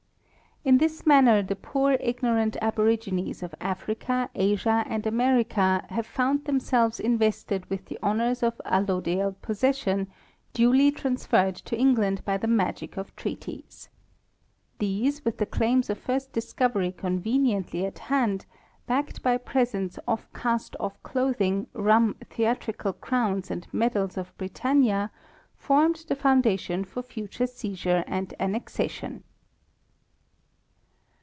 In this manner the poor ignorant aborigines of Africa, Asia, and America have found themselves invested with the honors of allodial possession, duly transferred to England by the magic of treaties. These, with the claims of first discovery conveniently at hand, backed by presents of cast off clothing, rum, theatrical crowns and medals of Britannia, formed the foundation for future seizure and annexation.